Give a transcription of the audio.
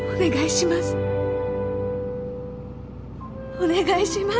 お願いします。